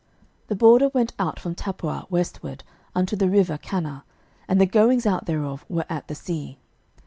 06:016:008 The border went out from Tappuah westward unto the river Kanah; and the goings out thereof were at the sea.